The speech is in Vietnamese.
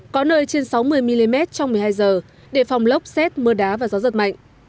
có nơi trên sáu mươi mm trong một mươi hai h để phòng lốc xét mưa đá và gió giật mạnh